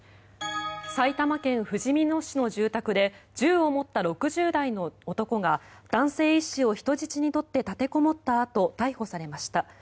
埼玉県ふじみ野市の住宅で銃を持った６０代の男が男性医師を人質に取って立てこもったあと逮捕されました。